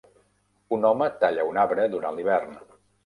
Un home talla un arbre durant l'hivern